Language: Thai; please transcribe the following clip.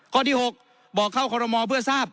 ข้อที่๖บอกเข้าคอรมอลเพื่อทราบ